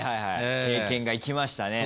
経験が生きましたね。